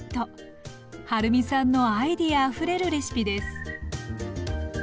はるみさんのアイデアあふれるレシピです。